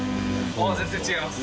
あっ全然違います。